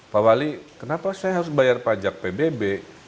pak wali kenapa saya harus bayar pajak pbb